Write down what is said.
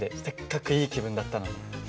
せっかくいい気分だったのに。